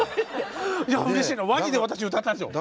いやうれしいなワニで私歌ったんですよ。